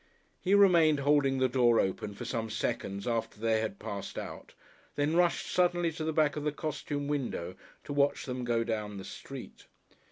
He remained holding the door open for some seconds after they had passed out, then rushed suddenly to the back of the "costume" window to watch them go down the street.